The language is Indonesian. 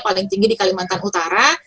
paling tinggi di kalimantan utara